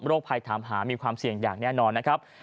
ภัยถามหามีความเสี่ยงอย่างแน่นอนนะครับ